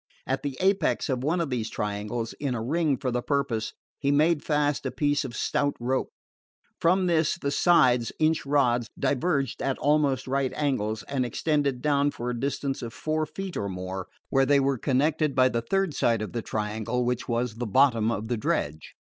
At the apex of one of these triangles; in a ring for the purpose, he made fast a piece of stout rope. From this the sides (inch rods) diverged at almost right angles, and extended down for a distance of four feet or more, where they were connected by the third side of the triangle, which was the bottom of the dredge.